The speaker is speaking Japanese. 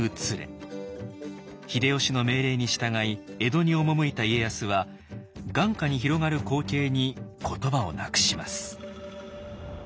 秀吉の命令に従い江戸に赴いた家康は眼下に広がる光景に言葉をなくします。